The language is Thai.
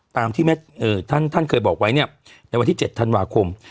ตามที่ท่านเคยบอกไว้เนี่ยในวันที่๗ธันวาคม